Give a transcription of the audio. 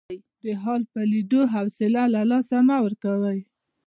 د حال په لیدو حوصله له لاسه مه ورکوئ.